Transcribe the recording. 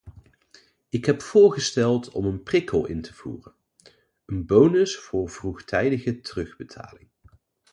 Ik heb voorgesteld om een prikkel in te voeren, een bonus voor vroegtijdige terugbetaling.